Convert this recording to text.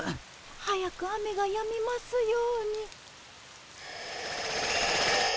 早く雨がやみますように。